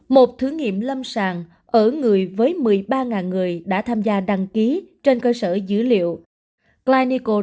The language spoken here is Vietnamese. một thử nghiệm lâm sàng ở người với một mươi ba người đã tham gia đăng ký trên cơ sở dữ liệu clyco